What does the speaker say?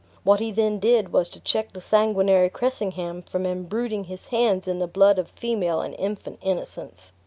What he then did was to check the sanguinary Cressingham from imbruiting his hands in the blood of female and infant innocence."